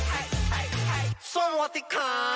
ไม่มีไม่ใช่ไม่ไม่ตรงกว่า